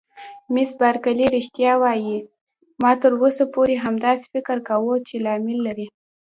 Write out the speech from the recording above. مس بارکلي: رښتیا وایې؟ ما تر اوسه پورې همداسې فکر کاوه چې لامل لري.